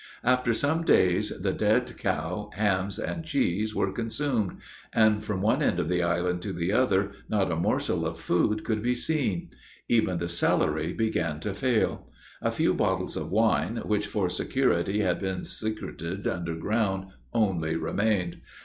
After some days, the dead cow, hams, and cheese were consumed; and, from one end of the island to the other, not a morsel of food could be seen. Even the celery began to fail. A few bottles of wine, which for security had been secreted under ground, only remained.